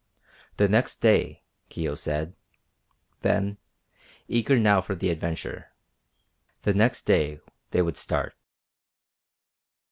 "The next day," Kio said, then, eager now for the adventure. "The next day they would start."